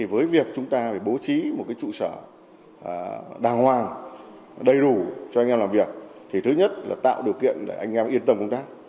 với việc chúng ta phải bố trí một trụ sở đàng hoàng đầy đủ cho anh em làm việc thì thứ nhất là tạo điều kiện để anh em yên tâm công tác